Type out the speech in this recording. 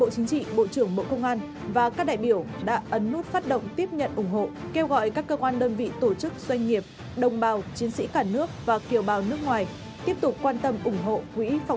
xin chào và hẹn gặp lại trong các bộ phim tiếp theo